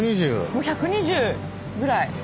もう１２０ぐらい。